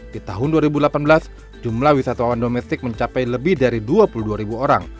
di tahun dua ribu delapan belas jumlah wisatawan domestik mencapai lebih dari dua puluh dua ribu orang